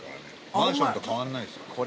マンションと変わんないんすよ。